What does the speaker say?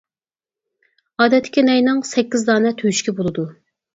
ئادەتتىكى نەينىڭ سەككىز دانە تۆشۈكى بولىدۇ.